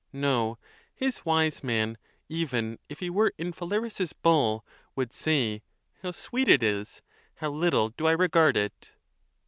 No; his wise man, even if he were in Phal aris's bull, would say, How sweet it is! how little do I regard it!